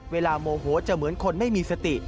โมโหจะเหมือนคนไม่มีสติ